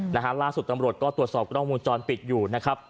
นะฮะล่าสุดตำรวจก็ตรวจสอบกล้องวงจรปิดอยู่นะครับ